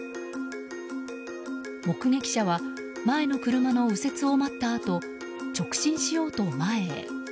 目撃者は前の車の右折を待ったあと直進しようと前へ。